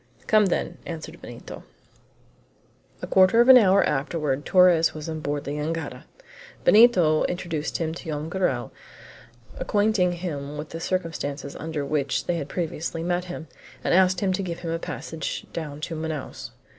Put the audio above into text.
"Come, then," answered Benito. A quarter of an hour afterward Torres was on board the jangada. Benito introduced him to Joam Garral, acquainting him with the circumstances under which they had previously met him, and asked him to give him a passage down to Manaos.